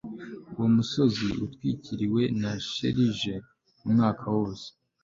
Uwo musozi utwikiriwe na shelegi umwaka wose